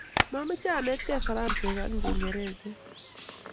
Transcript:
Mameche anetgei Faransek ak Kingeresek